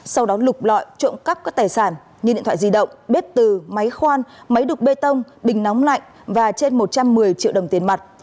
sau đó lục lọi trộm cắp các tài sản như điện thoại di động bếp từ máy khoan máy đục bê tông bình nóng lạnh và trên một trăm một mươi triệu đồng tiền mặt